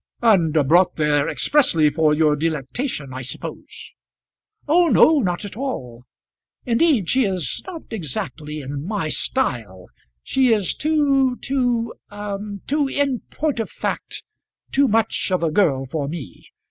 "And brought there expressly for your delectation, I suppose." "Oh no, not at all; indeed, she is not exactly in my style; she is too, too, too in point of fact, too much of a girl for me.